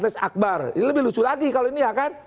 ini lebih lucu lagi kalau ini ya kan